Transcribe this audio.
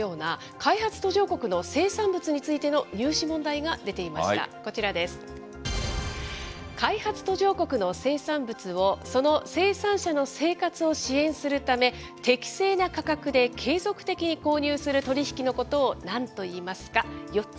開発途上国の生産物を、その生産者の生活を支援するため、適正な価格で継続的に購入する取り引きのことをなんといいますか。